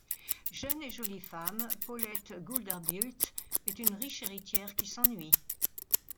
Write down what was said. Jeune et jolie femme, Paulette Gulderbilt est une riche héritière qui s'ennuie.